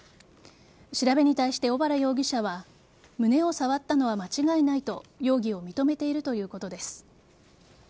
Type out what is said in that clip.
調べに対して小原容疑者は胸を触ったのは間違いないと容疑を認めているということです。